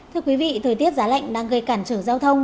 thưa quý vị thời tiết giá lạnh đang gây cản trở giao thông